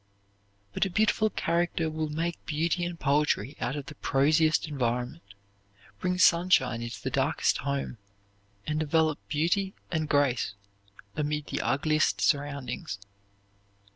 But a beautiful character will make beauty and poetry out of the prosiest environment, bring sunshine into the darkest home, and develop beauty and grace amid the ugliest surroundings.